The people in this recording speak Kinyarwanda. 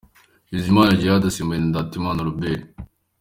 ' Bizimana Djihad asimbuwe na Ndatimana Robert.